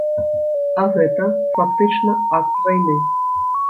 А гэта фактычна акт вайны.